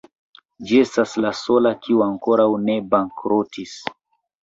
Ĝi estas la sola, kiu ankoraŭ ne bankrotis.